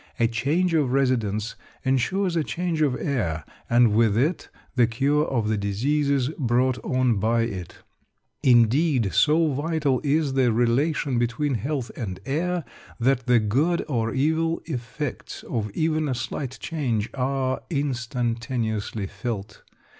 A change of residence ensures a change of air, and with it the cure of the diseases brought on by it. Indeed, so vital is the relation between health and air that the good or evil effects of even a slight change are instantaneously felt.